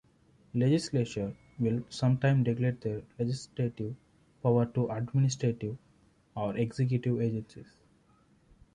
Legislatures will sometime delegate their legislative power to administrative or executive agencies.